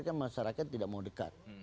kan masyarakat tidak mau dekat